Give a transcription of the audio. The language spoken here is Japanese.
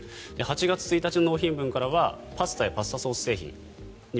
８月１日の納品分からはパスタやパスタソース製品２８％